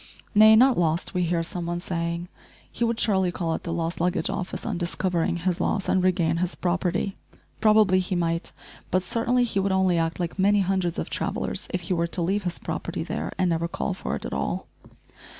"Nay, not lost," we hear some one saying; "he would surely call at the lost luggage office on discovering his loss and regain his property." Probably he might, but certainly he would only act like many hundreds of travellers if he were to leave his property there and never call for it at all.